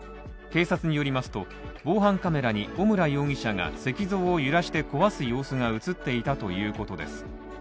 警察によりますと、防犯カメラに小村容疑者が石像を揺らして壊す様子が映っていたということです。